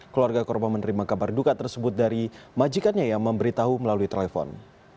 keluarga korban menerima kabar duka tersebut dari majikannya yang memberitahu melalui telepon